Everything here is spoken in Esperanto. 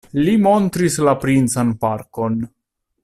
Li montris la princan parkon.